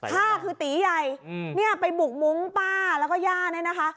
ฆ่าคือตีใหญ่เนี่ยไปบุกมุ้งป้าแล้วก็ย่าเนี่ยนะคะ